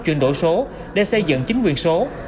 chuyển đổi số để xây dựng chính quyền số